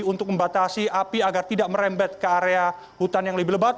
untuk membatasi api agar tidak merembet ke area hutan yang lebih lebat